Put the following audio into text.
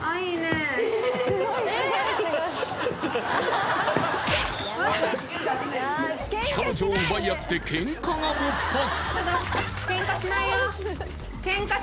え彼女を奪い合ってケンカが勃発